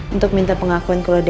untuk minta pengakuan kalau